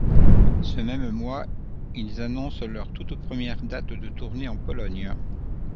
Ce même mois, ils annoncent leurs toutes premières dates de tournées en Pologne.